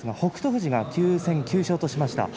富士が９戦９勝としました。